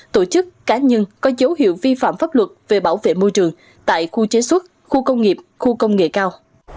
tổ chức cá nhân có dấu hiệu vi phạm pháp luật về bảo vệ môi trường tại khu chế xuất khu công nghiệp khu công nghệ cao